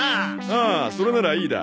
ああそれならいいだ。